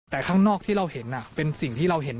แต่ข้างนอกที่เราเห็น